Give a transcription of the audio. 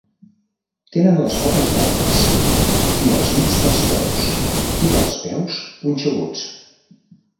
Tenen les potes rectes, i els dits dels peus i dels peus punxeguts.